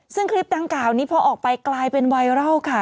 ซึ่งคลิปดังกล่าวนี้พอออกไปกลายเป็นไวรัลค่ะ